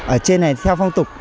ở trên này theo phong tục